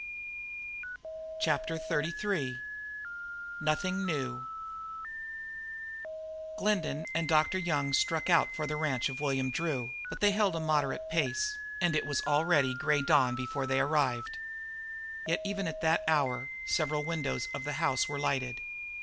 CHAPTER XXXIII NOTHING NEW Glendin and Dr. Young struck out for the ranch of William Drew, but they held a moderate pace, and it was already grey dawn before they arrived; yet even at that hour several windows of the house were lighted.